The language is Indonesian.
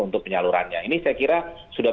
untuk penyalurannya ini saya kira sudah